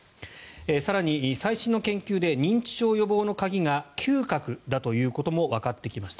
更に最新の研究で認知症予防の鍵が嗅覚だということもわかってきました。